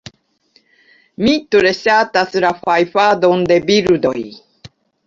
Mi tre ŝatas la fajfadon de birdoj.